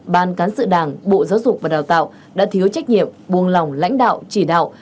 ban cán sự đảng bộ giáo dục và đào tạo đã thiếu trách nhiệm buông lỏng lãnh đạo chỉ đạo